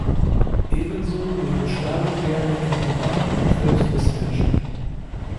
Ebenso leben Stare gerne im urbanen Umfeld des Menschen.